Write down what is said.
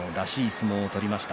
相撲を取りました。